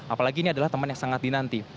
apalagi ini adalah teman yang sangat dinanti